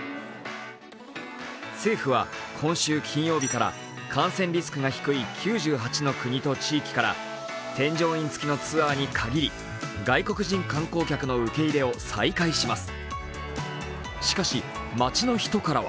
政府は今週金曜日から感染リスクが低い９８の国と地域から添乗員付きのツアーに限り外国人観光客の受け入れを再開します。